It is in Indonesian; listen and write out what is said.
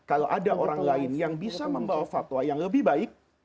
kalau ada orang lain yang bisa membawa fatwa yang lebih baik